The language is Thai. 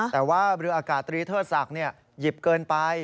แต่ว่าเรืออากาศตรีเทิดศักดิ์หยิบเกินไป